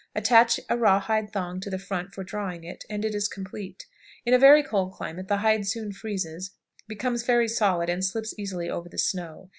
Attach a raw hide thong to the front for drawing it, and it is complete. In a very cold climate the hide soon freezes, becomes very solid, and slips easily over the snow.